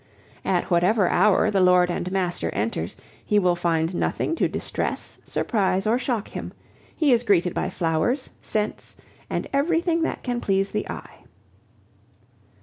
At whatever hour the lord and master enters, he will find nothing to distress, surprise, or shock him; he is greeted by flowers, scents, and everything that can please the eye.